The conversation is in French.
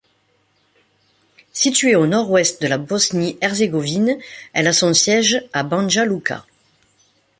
Située au nord-ouest de la Bosnie-Herzégovine, elle a son siège à Banja Luka.